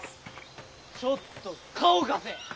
ちょっと顔貸せ。